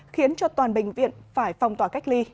khiến cho toàn bệnh viện phải phong tỏa cách ly